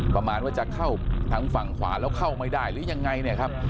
ประมาณว่าจะเข้าทางฝั่งขวาแล้วเข้าไม่ได้หรือยังไงเนี่ยครับ